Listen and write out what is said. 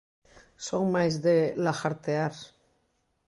Son máis de 'lagartear'.